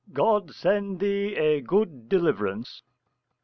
_ God send thee a good deliverance.